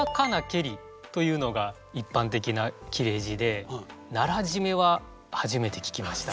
「けり」というのが一般的な切れ字でならじめは初めて聞きました。